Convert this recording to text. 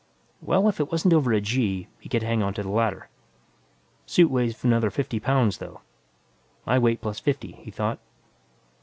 Well, if it wasn't over a "g," he could hang on to the ladder. Suit weighs another fifty pounds, though. My weight plus fifty, he thought.